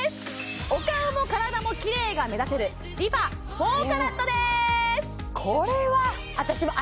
お顔も体もきれいが目指せるＲｅＦａ４ＣＡＲＡＴです